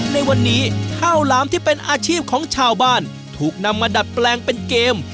ในวันนี้ข้าวหลามที่เป็นอาชีพของชาวบ้านถูกนำมาดัดแปลงเป็นเกม